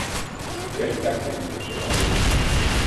- Veritat que no em dius que no?